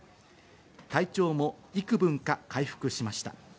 体調も幾分か回復しました。